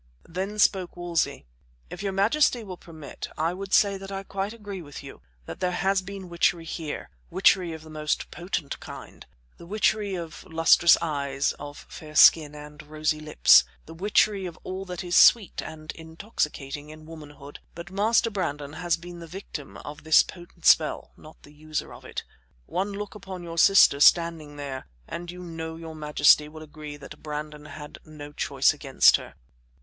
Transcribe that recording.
Then spoke Wolsey: "If your majesty will permit, I would say that I quite agree with you; there has been witchery here witchery of the most potent kind; the witchery of lustrous eyes, of fair skin and rosy lips; the witchery of all that is sweet and intoxicating in womanhood, but Master Brandon has been the victim of this potent spell, not the user of it. One look upon your sister standing there, and I know your majesty will agree that Brandon had no choice against her."